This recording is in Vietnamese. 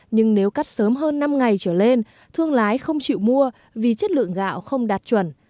nhưng nếu cắt sớm hơn năm ngày trở lên thương lái không chịu mua vì chất lượng gạo không đạt chuẩn